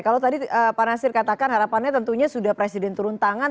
kalau tadi pak nasir katakan harapannya tentunya sudah presiden turun tangan